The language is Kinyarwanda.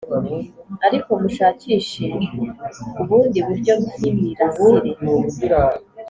ariko mushakishije ubundi buryo nk’imirasire